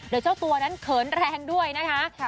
โดยเจ้าตัวนั้นเขินแรงด้วยนะคะ